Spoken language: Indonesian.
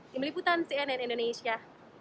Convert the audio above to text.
di meliputan cnn indonesia